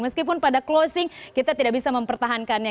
meskipun pada closing kita tidak bisa mempertahankannya